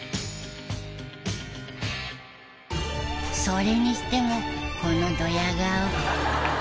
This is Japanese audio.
それにしてもこのドヤ顔。